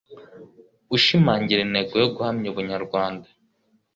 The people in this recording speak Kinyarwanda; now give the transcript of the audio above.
ushimangira intego yo guhamya ubunyarwanda.